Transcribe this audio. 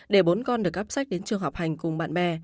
để bốn con được cắp sách đến trường học hành cùng bạn bè